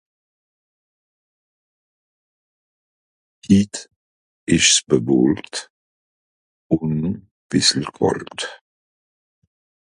Hitt isch's bewolkt un bissel kàlt